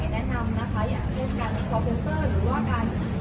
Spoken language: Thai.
แนะนำนะคะอย่างเช่นการเป็นคอลเซ็นเตอร์หรือว่า